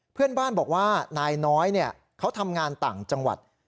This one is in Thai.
เพื่อนบ้านบอกว่านายน้อยเขาทำงานต่างจังหวัด